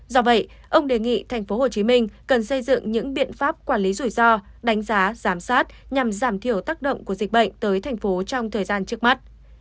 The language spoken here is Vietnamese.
do vậy ông đề nghị tp hcm cần xây dựng những biện pháp quản lý rủi ro đánh giá giám sát nhằm giảm thiểu tác động của dịch bệnh tới thành phố trong thời gian trước mắt